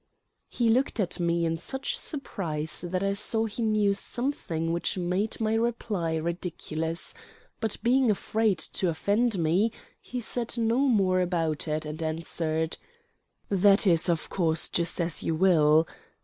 He looked at me in such surprise that I saw he knew something which made my reply ridiculous; but, being afraid to offend me, he said no more about it, and answered: "That is, of course, just as you will.